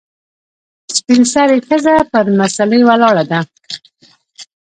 سپین سرې ښځه پر مسلې ولاړه ده .